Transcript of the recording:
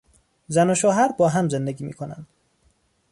زن و شوهر با هم زندگی میکنند.